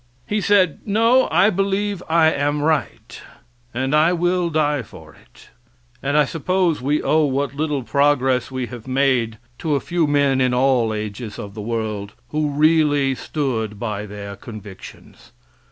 He said, "No, I believe I am right, and I will die for it," and I suppose we owe what little progress we have made to a few men in all ages of the world who really stood by their convictions.